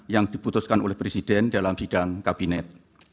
yang diputuskan oleh presiden dalam sidang kabinet